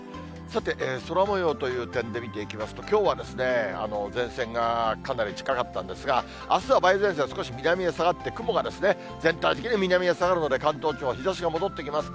さて、空もようという点で見ていきますと、きょうは前線がかなり近かったんですが、あすは梅雨前線は少し南へ下がって、雲が全体的に南へ下がるので、関東地方日ざしが戻ってきます。